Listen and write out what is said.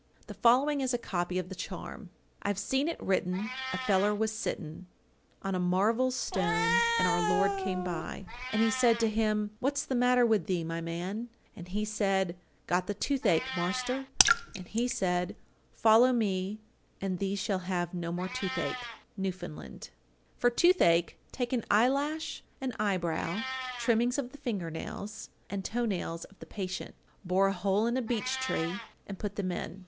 The following is a copy of the charm: I've seen it written a feller was sitten On a marvel stone, and our Lord came by, And He said to him, "What's the matter with thee, my man?" And he said, "Got the toothache, Marster," And he said, "Follow me and thee shall have no more toothache." Newfoundland. 833. For toothache take an eyelash, an eyebrow, trimmings of the finger nails, and toe nails of the patient, bore a hole in a beech tree, and put them in.